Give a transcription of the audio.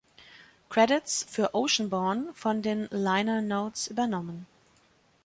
Credits für „Oceanborn“ von den Liner Notes übernommen.